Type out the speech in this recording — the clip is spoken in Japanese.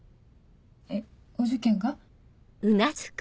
えっお受験が？